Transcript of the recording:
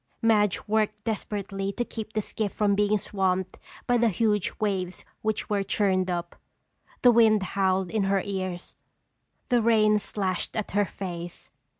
Madge worked desperately to keep the skiff from being swamped by the huge waves which were churned up. The wind howled in her ears, the rain slashed at her face.